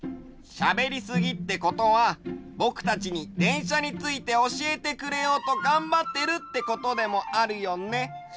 しゃべりすぎってことはぼくたちにでんしゃについておしえてくれようとがんばってるってことでもあるよね。